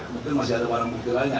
mungkin masih ada barang bukti lainnya